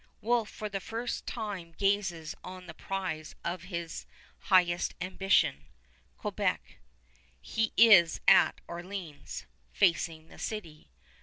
Wolfe for the first time gazes on the prize of his highest ambition, Quebec. He is at Orleans, facing the city.